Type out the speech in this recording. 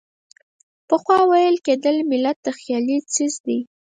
پخوا ویل کېدل ملت خیالي څیز دی.